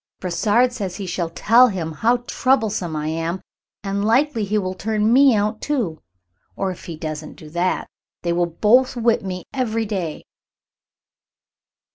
Brossard says he shall tell him how troublesome I am, and likely he will turn me out, too. Or, if he doesn't do that, they will both whip me every day."